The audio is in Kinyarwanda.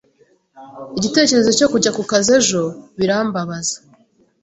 Igitekerezo cyo kujya kukazi ejo birambabaza.